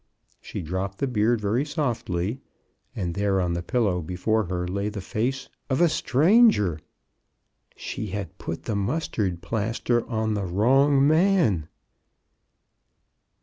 She dropped the beard very softly — and there on the pillow before her lay the face of a stranger. She had put the mus tard plaster on the wrong man.